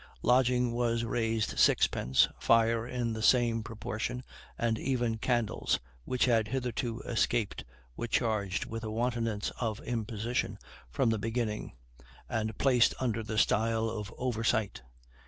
Lodging was raised sixpence, fire in the same proportion, and even candles, which had hitherto escaped, were charged with a wantonness of imposition, from the beginning, and placed under the style of oversight.